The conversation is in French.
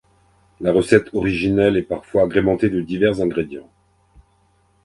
La recette originelle est parfois agrémentée de divers ingrédients.